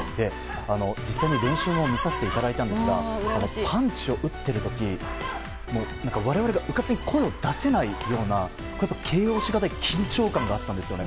実際に練習を見させていただいたんですがパンチを打っている時我々がうかつに声を出せないような形容しがたい緊張感があったんです。